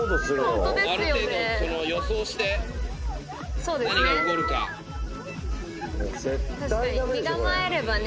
ホントですよねある程度予想して何が起こるか確かに身構えればね